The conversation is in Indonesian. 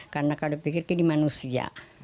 karena kalau pikir ini manusia